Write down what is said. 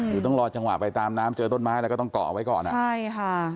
อยู่ต้องรอจังหวะไปตามน้ำเจอต้นไม้ก็ต้องเกาะค่อนข้าง